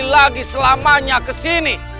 jangan lagi selamanya ke sini